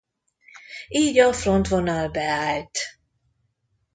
Így a frontvonal beállt.